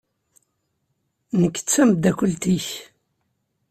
Nekk d tameddakelt-ik.